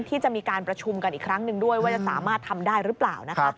ที่จะมีการประชุมกันอีกครั้งหนึ่งด้วยว่าจะสามารถทำได้หรือเปล่านะคะ